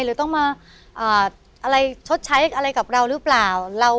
หรือต้องมาอะไรชดใช้อะไรกับเราหรือเปล่า